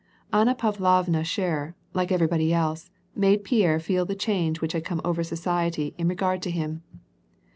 Anna Pavlovna Scherer, like everybody else, made Pierre feel the change which had come over society in regard to him.